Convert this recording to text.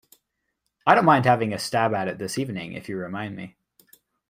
I don't mind having a stab at it this evening if you remind me.